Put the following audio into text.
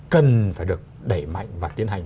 cần phải được đẩy mạnh và tiến hành